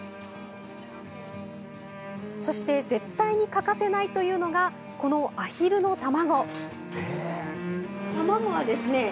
そして、絶対に欠かせないというのが、このアヒルの卵。